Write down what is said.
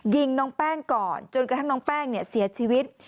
ยิงน้องแป้งก่อนจนกระทั่งน้องแป้งเนี่ยเสียชีวิต